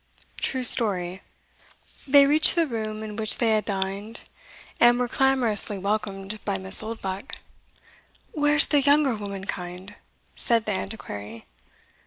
True Story. They reached the room in which they had dined, and were clamorously welcomed by Miss Oldbuck. "Where's the younger womankind?" said the Antiquary.